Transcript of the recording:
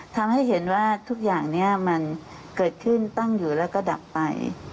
ทำให้เห็นว่าทุกอย่างนี้มันเกิดขึ้นตั้งอยู่แล้วก็ดับไป